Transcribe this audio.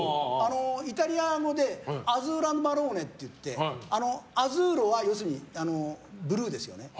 イタリア語でアズーロ＆マローネって言ってアズーロは要するにブルーですよね。